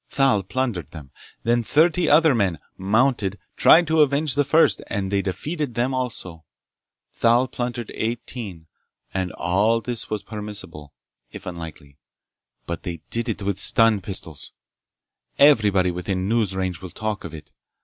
Thal plundered them. Then thirty other men, mounted, tried to avenge the first and they defeated them also! Thal plundered eighteen. And all this was permissible, if unlikely. But they did it with stun pistols! Everybody within news range will talk of it!